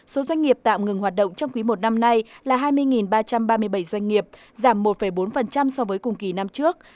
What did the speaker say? số doanh nghiệp tạm ngừng hoạt động trong quý một năm nay là hai mươi ba trăm ba mươi bảy doanh nghiệp giảm một bốn so với cùng kỳ năm trước